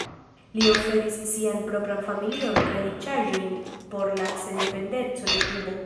Li oferis sian propran familion kaj riĉaĵojn por la sendependeco de Kubo.